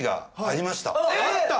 ・あった？